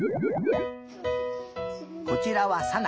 こちらはさな。